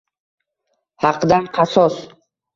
«Haqdan qasos!»